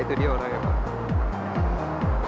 itu dia orangnya pak